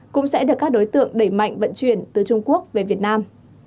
cũng sẽ được các đối tượng đẩy mạnh vận chuyển từ trung quốc về việt nam